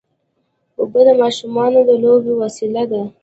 اوبه د ماشومانو د لوبو وسیله ده.